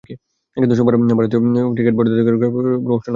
কিন্তু সোমবার ভারতীয় বোর্ডের তরফ থেকেই সফরটি বাতিল ঘোষণা করা হল।